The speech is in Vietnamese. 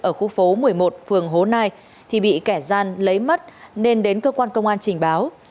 ở khu phố một mươi một phường hố nai thì bị kẻ gian lấy mất nên đến cơ quan công an trình báo